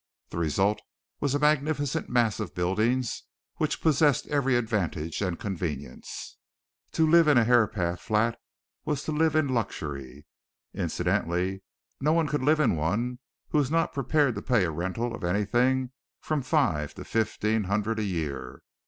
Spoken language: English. The result was a magnificent mass of buildings which possessed every advantage and convenience to live in a Herapath flat was to live in luxury. Incidentally, no one could live in one who was not prepared to pay a rental of anything from five to fifteen hundred a year.